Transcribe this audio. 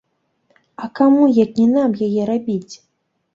А каму як не нам яе рабіць?